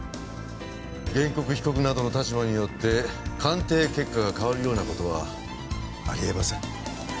原告被告などの立場によって鑑定結果が変わるような事はありえません。